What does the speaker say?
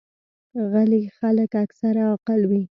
غلي خلک اکثره عاقل وي.